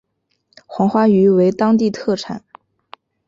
黄花鱼为当地特产。